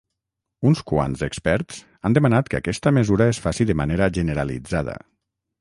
Uns quants experts han demanat que aquesta mesura es faci de manera generalitzada.